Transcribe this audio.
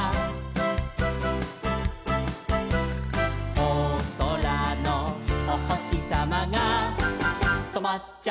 「おそらのおほしさまがとまっちゃった」